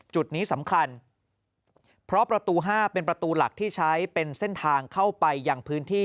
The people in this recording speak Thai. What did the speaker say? จุดนี้สำคัญเพราะประตู๕เป็นประตูหลักที่ใช้เป็นเส้นทางเข้าไปยังพื้นที่